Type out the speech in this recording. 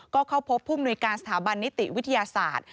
ก็เข้าพบผู้มนุยการสถาบันนิติวิทยาศาสตร์